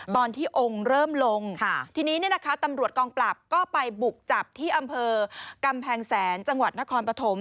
ตอนที่องค์เริ่มลงทีนี้เนี่ยนะคะตำรวจกองปราบก็ไปบุกจับที่อำเภอกำแพงแสนจังหวัดนครปฐม